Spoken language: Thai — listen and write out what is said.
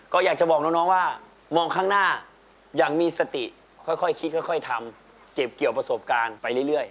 ก็อยากจะบอกน้องว่ามองข้างหน้าอย่างมีสติค่อยคิดค่อยทำเก็บเกี่ยวประสบการณ์ไปเรื่อย